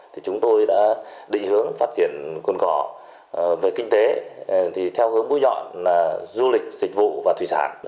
thì chúng tôi đã định hướng phát triển cồn cỏ về kinh tế theo hướng bối dọn là du lịch dịch vụ và thủy sản